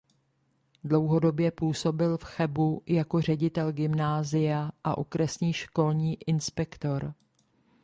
Dlouhodobě působil v Chebu jako ředitel gymnázia a okresní školní inspektor.